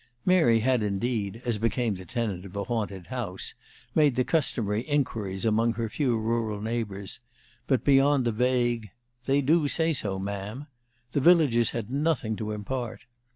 Mary had, indeed, as became the tenant of a haunted house, made the customary inquiries among her few rural neighbors, but, beyond a vague, "They du say so, Ma'am," the villagers had nothing to impart.